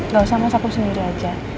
gak usah mas aku sendiri aja